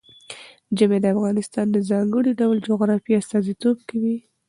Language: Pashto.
ژمی د افغانستان د ځانګړي ډول جغرافیه استازیتوب کوي.